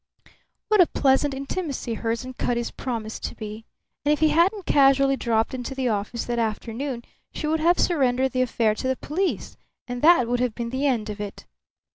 What a pleasant intimacy hers and Cutty's promised to be! And if he hadn't casually dropped into the office that afternoon she would have surrendered the affair to the police, and that would have been the end of it.